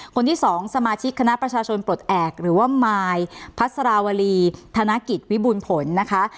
คนที่สองสมาชิกคณะประชาชนปลดแอบหรือว่ามายพัสราวรีธนกิจวิบูรณ์ผลนะคะ